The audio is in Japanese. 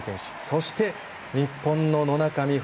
そして日本の野中生萌。